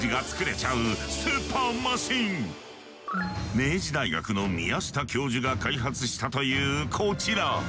明治大学の宮下教授が開発したというこちら。